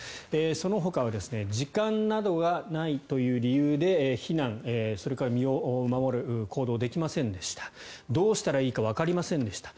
そのほかは時間などがないという理由で避難それから身を守る行動ができませんでしたどうしたらいいかわかりませんでした